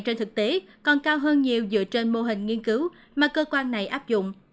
trên thực tế còn cao hơn nhiều dựa trên mô hình nghiên cứu mà cơ quan này áp dụng